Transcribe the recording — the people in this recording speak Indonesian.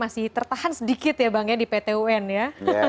masih tertahan sedikit ya bang ya di pt un ya